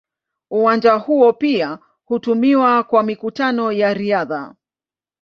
Uwanja huo pia hutumiwa kwa mikutano ya riadha.